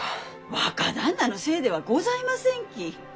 若旦那のせいではございませんき！